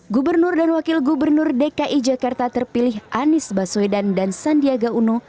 gubernur dan wakil gubernur dki jakarta terpilih anies baswedan dan sandiaga uno